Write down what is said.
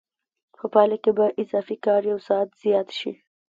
په پایله کې به اضافي کار یو ساعت زیات شي